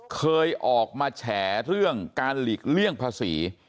เคยออกมาแฉเรื่องการหลีกเลี่ยงภาษี